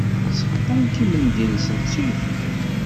Seqqant imendi-nsent s uyefki.